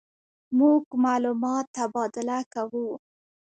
مونږ معلومات تبادله کوو.